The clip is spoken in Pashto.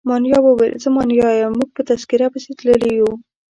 مانیرا وویل: زه مانیرا یم، موږ په تذکیره پسې تللي وو.